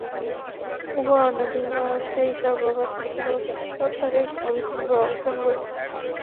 উহা অনাদি, উহা সেই সর্বব্যাপী সত্তার এক অংশরূপে অবস্থান করিতেছে।